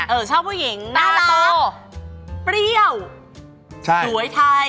ชอบผู้หญิงหน้าโตเปรี้ยวสวยไทย